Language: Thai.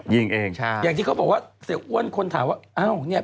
อย่างที่เขาบอกว่าเสียอ้วนคนถามว่า